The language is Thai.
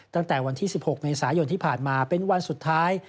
ตั้งแต่วันที่๑๖เมษายนที่ผ่านมาเป็นวันสุดท้าย